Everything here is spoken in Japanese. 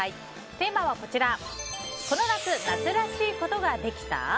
テーマはこの夏、夏らしいことができた？